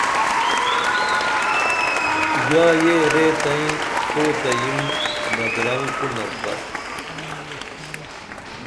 ژا یہ ریتئیں تو تہ یم بدرنگ کونپ بہ